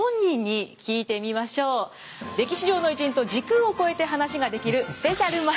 歴史上の偉人と時空を超えて話ができるスペシャルマシーン。